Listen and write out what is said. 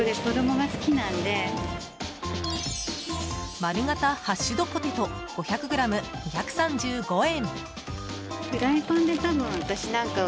丸型ハッシュドポテト５００ｇ、２３５円。